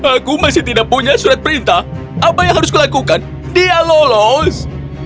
aku masih tidak punya surat perintah apa yang harus kulakukan dia lolos